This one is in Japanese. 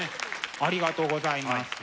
ありがとうございます。